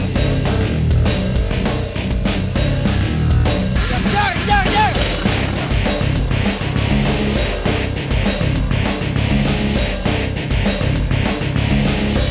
jangan jangan jangan